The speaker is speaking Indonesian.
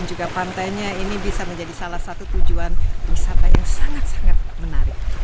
juga pantainya ini bisa menjadi salah satu tujuan wisata yang sangat sangat menarik